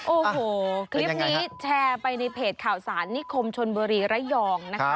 โอ้โหคลิปนี้แชร์ไปในเพจข่าวสารนิคมชนบุรีระยองนะคะ